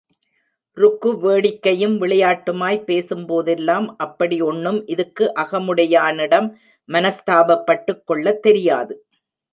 ருக்கு வேடிக்கையும் விளையாட்டுமாய்ப் பேசும் போதெல்லாம், அப்படி ஓண்ணும் இதுக்கு அகமுடையானிடம் மனஸ்தாபப்பட்டுக் கொள்ளத் தெரியாது.